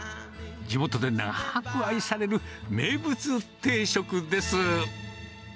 地元で長ーく愛される、名物定食です。